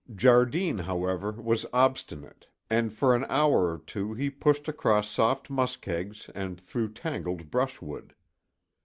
Jardine, however, was obstinate and for an hour or two he pushed across soft muskegs and through tangled brushwood.